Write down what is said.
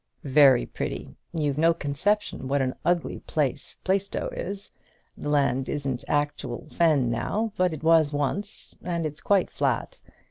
"Very pretty. You've no conception what an ugly place Plaistow is. The land isn't actual fen now, but it was once. And it's quite flat.